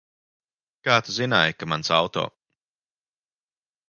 Kā tu zināji, ka mans auto?